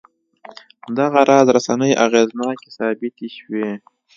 دغه راز رسنۍ اغېزناکې ثابتې شوې.